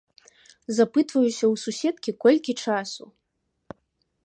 Запытваюся ў суседкі, колькі часу.